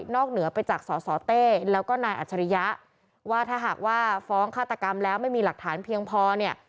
เหนือไปจากสสเต้แล้วก็นายอัจฉริยะว่าถ้าหากว่าฟ้องฆาตกรรมแล้วไม่มีหลักฐานเพียงพอเนี่ย